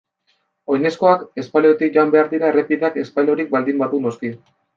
Oinezkoak espaloitik joan behar dira errepideak espaloirik baldin badu noski.